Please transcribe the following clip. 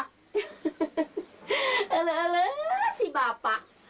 hehehe ala ala si bapak